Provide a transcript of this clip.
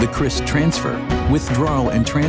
kris digunakan oleh lebih dari lima belas juta